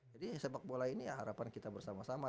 jadi sepak bola ini harapan kita bersama sama